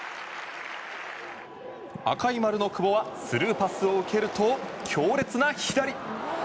赤い丸の久保はスルーパスを受けると強烈な左。